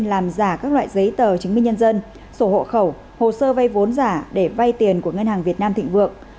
làm giả các loại giấy tờ chứng minh nhân dân sổ hộ khẩu hồ sơ vay vốn giả để vay tiền của ngân hàng việt nam thịnh vượng